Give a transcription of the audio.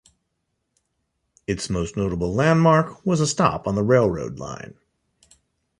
Its most notable landmark was a stop on the railroad line.